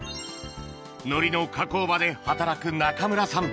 海苔の加工場で働く中村さん